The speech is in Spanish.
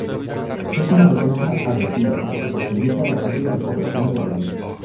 Es una defensa agresiva, que posibilita la rápida recuperación del balón.